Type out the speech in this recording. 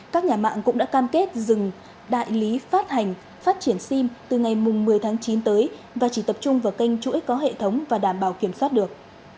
các nhà mạng cũng đã cam kết dừng đại lý phát hành phát triển sim từ ngày một mươi tháng chín tới và chỉ tập trung vào kênh chuỗi có hệ thống và đảm bảo kiểm soát được